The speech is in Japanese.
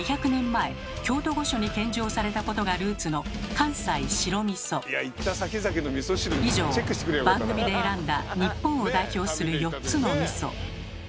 前京都御所に献上されたことがルーツの以上番組で選んだ日本を代表する４つのみそ。